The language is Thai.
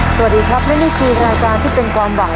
สวัสดีครับและนี่คือรายการที่เป็นความหวัง